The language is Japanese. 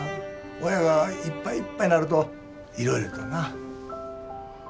親がいっぱいいっぱいなるといろいろとな。